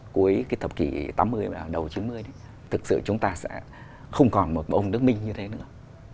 cuối cái thập kỷ tám mươi và đầu chín mươi thì thực sự chúng ta sẽ không còn một ông đức minh như thế nữa